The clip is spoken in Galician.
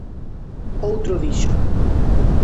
Outro dixo: